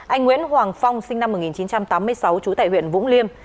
anh nguyễn hoàng phong sinh năm một nghìn chín trăm tám mươi sáu trú tại huyện vũng liêm